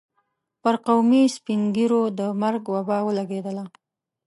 پر قومي سپين ږيرو د مرګ وبا ولګېدله.